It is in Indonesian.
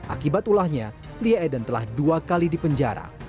akibat ulahnya lia eden telah dua kali dipenjara